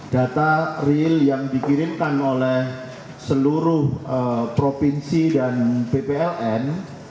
data real yang dikirimkan oleh seluruh provinsi dan bpln